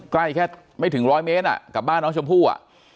ใกล้แค่ไม่ถึงร้อยเมตรกับบ้านน้องชมพู่